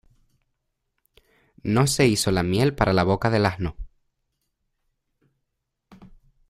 No se hizo la miel para la boca del asno.